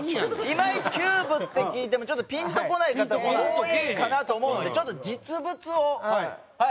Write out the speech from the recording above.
いまいち「キューブ」って聞いてもちょっとピンとこない方多いかなと思うのでちょっと実物をご用意いたしました。